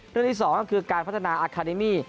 เรื่องที่๒ก็คือการพัฒนาอาคาเดมี่